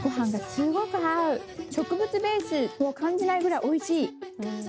植物ベースを感じないぐらいおいしい。